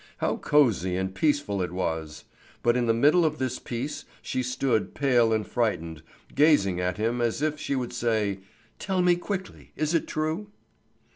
How cosy and peaceful it was! But in the middle of this peace she stood pale and frightened, gazing at him as if she would say: "Tell me quickly, is it true?"